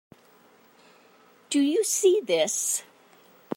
Do you see this?